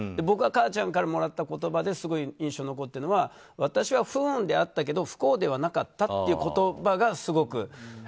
僕は母ちゃんからもらった言葉で印象が残っているのは私は不運であったけど不幸ではなかったという言葉がすごく。